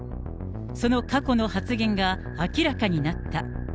その過去の発言が明らかになった。